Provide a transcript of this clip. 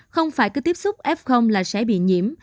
không phải có tiếp xúc f là sẽ bị nhiễm